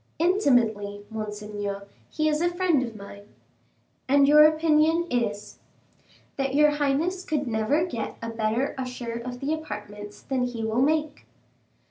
"Intimately, monseigneur. He is a friend of mine." "And your opinion is?" "That your highness could never get a better usher of the apartments than he will make."